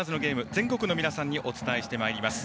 全国の皆さんにお伝えしてまいります。